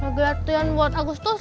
kegiatan buat agustus